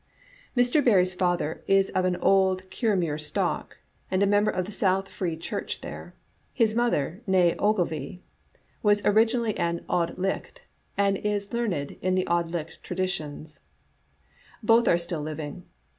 Mr. Barrie's father is of an old Kirriemuir stock, and a member of the South Free Church there. His mother, n/e Ogilvy, was originally an Auld Licht, and is learned in the Auld Licht traditions. Both are still living.